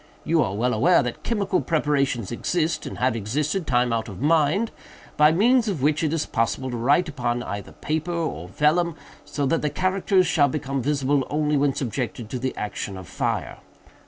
You are well aware that chemical preparations exist, and have existed time out of mind, by means of which it is possible to write upon either paper or vellum, so that the characters shall become visible only when subjected to the action of fire.